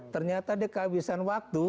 ternyata dia kehabisan waktu